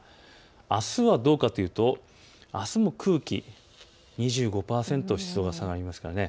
あすはどうかというとあすも空気２５％、湿度が下がりますね。